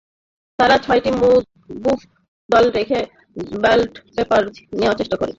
তাঁরা ছয়টি বুথ দখল করে ব্যালট পেপার ছিনিয়ে নেওয়ার চেষ্টা করেন।